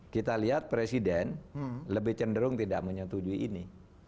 kita lihat presiden lebih cenderung tidak menyetujui ini